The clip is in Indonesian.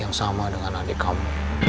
yang sama dengan adik kamu